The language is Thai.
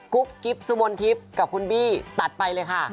กุ๊บกิฟต์ซุบนกิฟต์กับคุณบี้ตัดไปเลยค่ะ